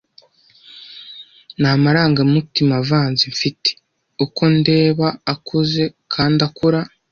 Ni amarangamutima avanze mfite, uko ndeba akuze kandi akura.